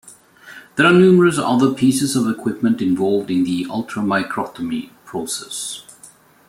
There are numerous other pieces of equipment involved in the ultramicrotomy process.